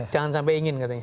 jangan sampai ingin katanya